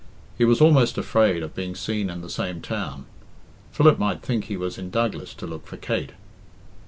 He was almost afraid of being seen in the same town. Philip might think he was in Douglas to look for Kate.